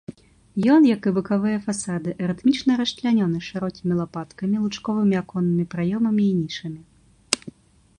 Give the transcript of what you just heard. Ён, як і бакавыя фасады, рытмічна расчлянёны шырокімі лапаткамі, лучковымі аконнымі праёмамі і нішамі.